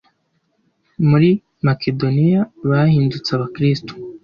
muri Makedoniya bahindutse Abakristo